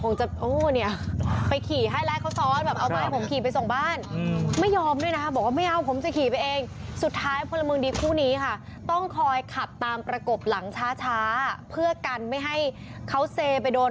คงจะโอ้เนี้ยไปขี่ให้แรกเขาซ้อนแบบเอามาให้ผมขี่ไปส่งบ้าน